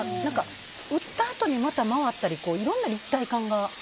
打ったあとにまた回ったりいろんな立体感が。